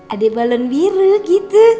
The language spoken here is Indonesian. adik balon biru gitu